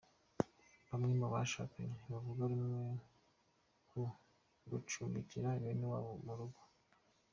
Bamwe mu bashakanye ntibavuga rumwe ku gucumbikira bene wabo mu rugo